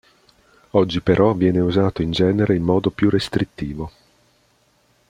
Oggi però viene usato in genere in modo più restrittivo.